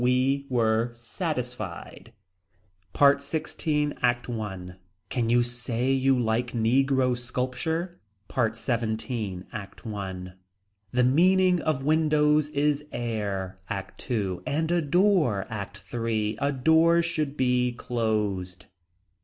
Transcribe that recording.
We were satisfied. PART XVI. ACT I. Can you say you like negro sculpture. PART XVII. ACT I. The meaning of windows is air. ACT II. And a door. ACT III. A door should be closed.